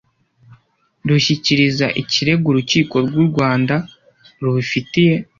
Rushyikiriza ikirego urukiko rw u rwanda rubifitiye